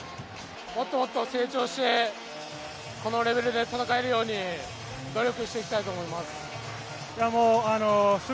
もっと成長して、このレベルで戦えるように努力していきたいと思います。